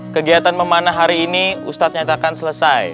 kegiatan memanah hari ini ustadz nyatakan selesai